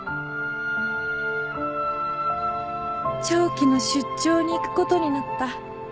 「長期の出張に行くことになった」